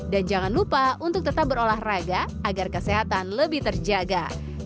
dan jangan lupa untuk tetap berolahraga agar kesehatan lebih terjaga